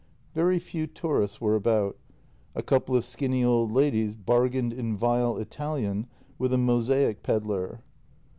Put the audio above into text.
Very few tourists were about; a couple of skinny old ladies bargained in vile Italian with a mosaic pedlar.